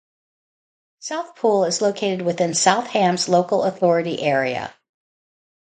South Pool is located within South Hams local authority area.